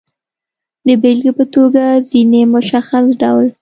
د بېلګې په توګه، ځینې مشخص ډول